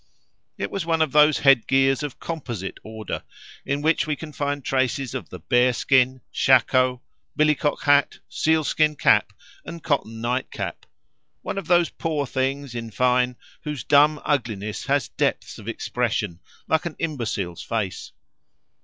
It was one of those head gears of composite order, in which we can find traces of the bearskin, shako, billycock hat, sealskin cap, and cotton night cap; one of those poor things, in fine, whose dumb ugliness has depths of expression, like an imbecile's face.